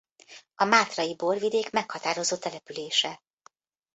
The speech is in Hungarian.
A Mátrai borvidék meghatározó települése.